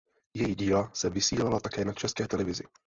Její díla se vysílala také na České televizi.